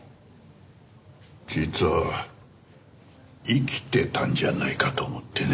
実は生きてたんじゃないかと思ってね。